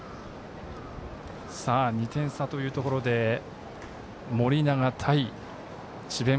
２点差というところで盛永対智弁